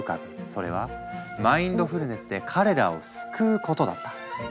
それは「マインドフルネスで彼らを救う」ことだった。